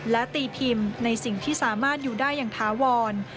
และตีพิมพ์ในสิ่งที่สามารถอยู่ได้อย่างถาวร